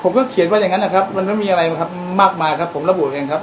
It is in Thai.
เขียนว่าอย่างนั้นนะครับมันไม่มีอะไรนะครับมากมายครับผมระบุเองครับ